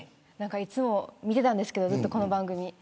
いつも見てたんですけどこの番組。